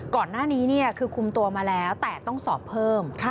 ก่อนหน้านี้คือคุมตัวมาแล้วแต่ต้องสอบเพิ่ม